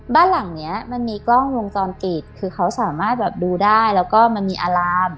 บ้านหลังเนี้ยมันมีกล้องวงจรปิดคือเขาสามารถแบบดูได้แล้วก็มันมีอาราม